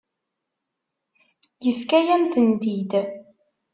Yefka-yam-tent-id.